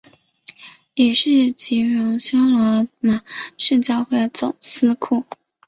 也是及荣休罗马圣教会总司库。